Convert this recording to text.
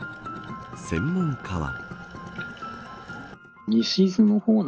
専門家は。